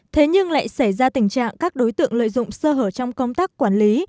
thế nhưng lại xảy ra tình trạng các đối tượng lợi dụng sơ hở trong công tác quản lý